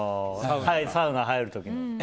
サウナ入る時の。